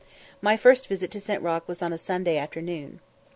My first visit to St. Roch was on a Sunday afternoon.